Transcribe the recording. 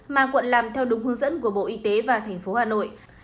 mà quận làm theo đúng hướng dẫn của bộ y tế và tp hà nội